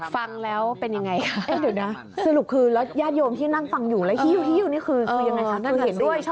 ฟังแล้วเป็นยังไงคะสรุปคือยาดโยมที่นั่งฟังอยู่แล้วฮี้วฮี้วนี่คือยังไงคะ